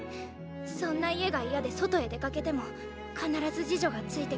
そんな家が嫌で外へ出かけても必ず侍女が付いてきた。